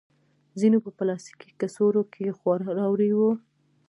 ځینو په پلاستیکي کڅوړو کې خواړه راوړي وو.